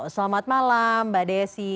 selamat malam mbak desi